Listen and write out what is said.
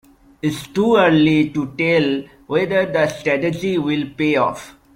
It's too early to tell whether the strategy will pay off.